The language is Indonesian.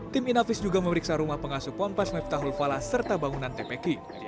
tim inafis juga memeriksa rumah pengasuh pohon pes miftahul fala serta bangunan tepeki